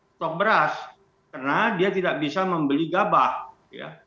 stok beras karena dia tidak bisa membeli gabah ya